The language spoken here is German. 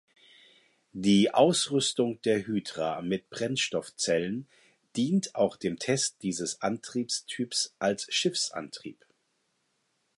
Die Ausrüstung der "Hydra" mit Brennstoffzellen dient auch dem Test dieses Antriebstyps als Schiffsantrieb.